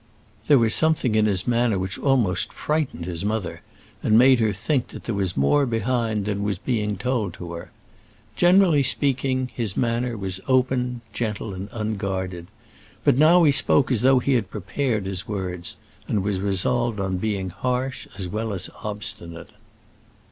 There was something in his manner which almost frightened his mother, and made her think that there was more behind than was told to her. Generally speaking, his manner was open, gentle, and unguarded; but now he spoke as though he had prepared his words, and was resolved on being harsh as well as obstinate.